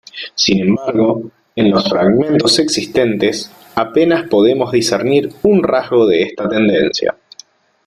Sin embargo, en los fragmentos existentes, apenas podemos discernir un rasgo de esta tendencia.